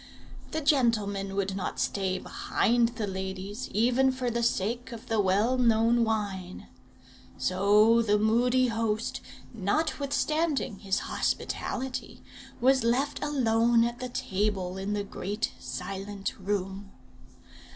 The gentlemen would not stay behind the ladies, even for the sake of the well known wine. So the moody host, notwithstanding his hospitality, was left alone at the table in the great silent room.